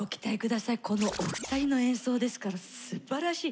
このお二人の演奏ですからすばらしい。